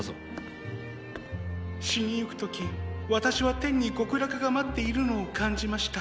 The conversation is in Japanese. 死にゆく時私は天に極楽が待っているのを感じました。